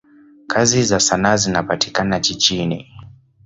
Kazi za sanaa zinapatikana jijini.